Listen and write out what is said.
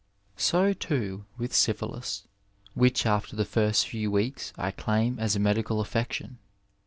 So, too, with syphilis, which after the first few weeks I daim as a medical affection.